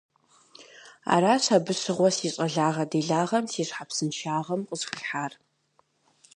Аращ абы щыгъуэ си щӀалагъэ-делагъэм, си щхьэпсыншагъэм къысхуихьар.